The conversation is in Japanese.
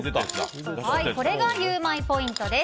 これが、ゆウマいポイントです。